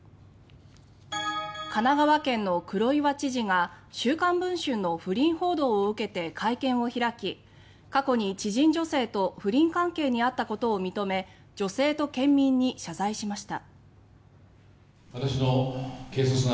神奈川県の黒岩知事は週刊文春の不倫報道を受け先ほど会見を開き過去に知人女性と不倫関係にあったことを認め女性と県民に謝罪しました。